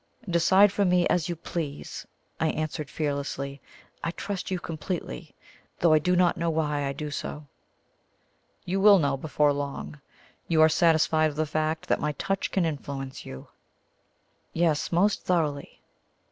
"Decide for me as you please," I answered fearlessly. "I trust you completely, though I do not know why I do so." "You will know before long. You are satisfied of the fact that my touch can influence you?" "Yes; most thoroughly."